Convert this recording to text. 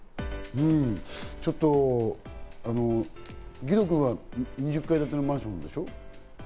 義堂君は２０階建てのマンションでしょ？